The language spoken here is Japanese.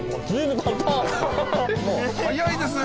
早いですね。